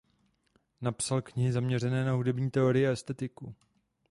Napsal knihy zaměřené na hudební teorii a estetiku.